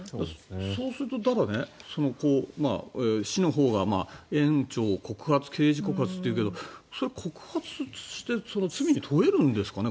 そうするとただ、市のほうが園長を刑事告発っていうけどそれ、告発して罪に問えるんですかね。